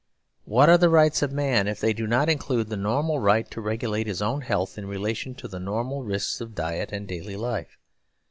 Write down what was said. What are the rights of man, if they do not include the normal right to regulate his own health, in relation to the normal risks of diet and daily life?